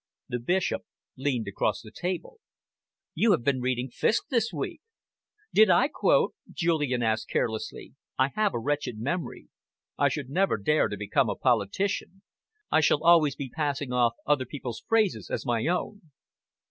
The Bishop leaned across the table. "You have been reading Fiske this week." "Did I quote?" Julian asked carelessly. "I have a wretched memory. I should never dare to become a politician. I should always be passing off other people's phrases as my own."